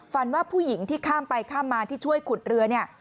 ว่าผู้หญิงที่ข้ามไปข้ามมาที่ช่วยขุดเรือเนี่ย